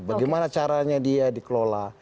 bagaimana caranya dia dikelola